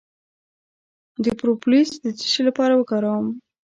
د پروپولیس د څه لپاره وکاروم؟